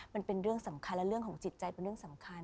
มันเป็นเรื่องสำคัญและเรื่องของจิตใจเป็นเรื่องสำคัญ